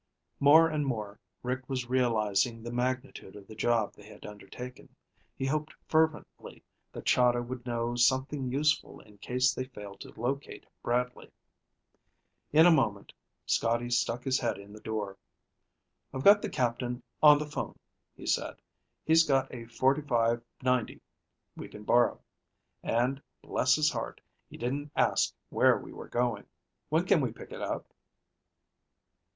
More and more Rick was realizing the magnitude of the job they had undertaken. He hoped fervently that Chahda would know something useful in case they failed to locate Bradley. In a moment Scotty stuck his head in the door. "I've got the captain on the phone," he said. "He's got a .45 90 we can borrow, and, bless his heart, he didn't ask where we were going. When can we pick it up?"